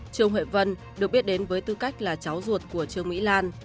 trương huệ vân được biết đến với tư cách là cháu ruột của trương mỹ lan